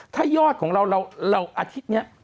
ถ้ายอดของเราเราอาทิตย์นี้